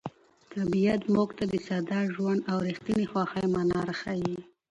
طبیعت موږ ته د ساده ژوند او رښتیني خوښۍ مانا راښيي.